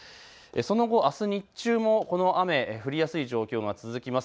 その後、あす日中もこの雨、降りやすい状況が続きます。